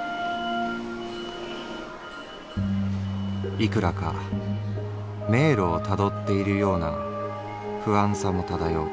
「いくらか迷路を辿っているような不安さも漂う。